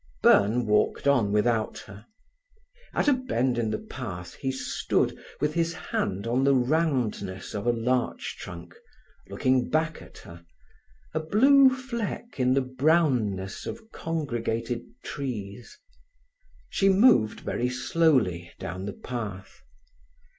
Byrne walked on without her. At a bend in the path he stood, with his hand on the roundness of a larch trunk, looking back at her, a blue fleck in the brownness of congregated trees. She moved very slowly down the path.